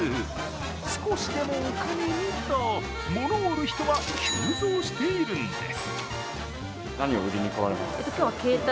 少しでもお金にと物を売る人が急増しているんです。